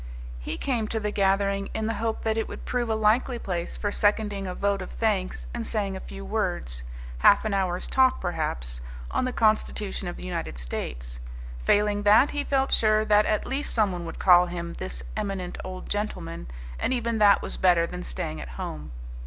He came to the gathering in the hope that it would prove a likely place for seconding a vote of thanks and saying a few words half an hour's talk, perhaps on the constitution of the United States. Failing that, he felt sure that at least someone would call him "this eminent old gentleman," and even that was better than staying at home.